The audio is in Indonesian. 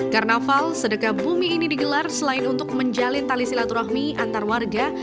karnaval sedekah bumi ini digelar selain untuk menjalin tali silaturahmi antar warga